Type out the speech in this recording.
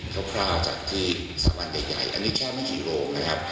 คร่าวจากที่สะวัญใหญ่อันนี้แค่ไม่กี่โรคนะครับ